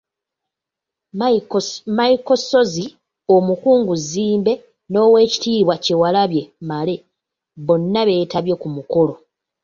Michael Ssozi, Omukungu Zzimbe n’Oweekitiibwa Kyewalabye Male bonna beetabye ku mukolo.